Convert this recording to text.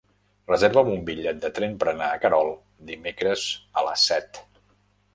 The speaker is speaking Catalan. Reserva'm un bitllet de tren per anar a Querol dimecres a les set.